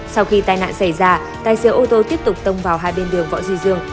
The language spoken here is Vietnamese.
sau khi tai nạn xảy ra tài xế ô tô tiếp tục tông vào hai bên đường võ duy dương